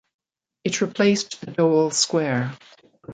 It replaced the Doel Square.